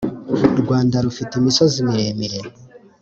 rwanda rufite imisozi miremire